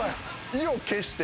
意を決して。